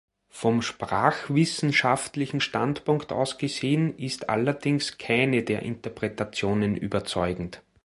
Vom sprachwissenschaftlichen Standpunkt aus gesehen ist allerdings keine der Interpretationen überzeugend.